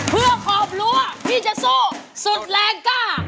เพื่อครอบครัวที่จะสู้สุดแรงกล้า